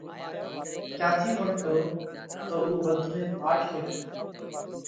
ڪيا ٿِي پڻ ڪرو تو اُو ٻڌوئي ماٺ ۾ ڪرو۔